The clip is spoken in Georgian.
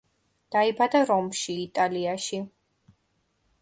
დაიბადა რომში, იტალიაში.